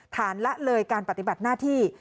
ละเลยการปฏิบัติหน้าที่